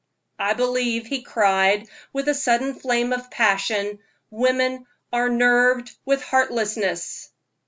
"I believe," he cried, with a sudden flame of passion, "women are nerved with heartlessness!"